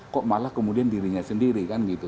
kok malah kemudian dirinya sendiri